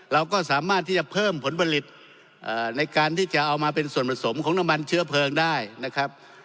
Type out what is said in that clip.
เราก็สามารถที่จะเพิ่มผลผลิตในการที่จะเอามาเป็นส่วนผสมของน้ำมันเชื้อเพลิงได้นะครับ